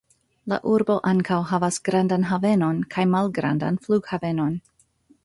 La urbo ankaŭ havas grandan havenon kaj malgrandan flughavenon.